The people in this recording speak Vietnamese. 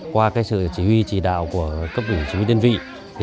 qua sự chỉ huy chỉ đạo của cấp ủy chỉ huy tiên vị